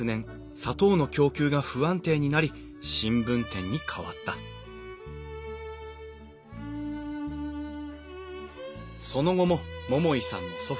砂糖の供給が不安定になり新聞店に変わったその後も桃井さんの祖父